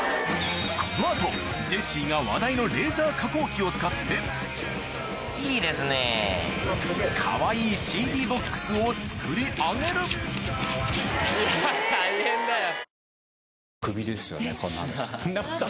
この後ジェシーが話題のレーザー加工機を使ってかわいいＣＤボックスを作り上げるいや大変だよ。